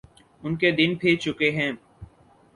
ان کے دن پھر چکے ہیں۔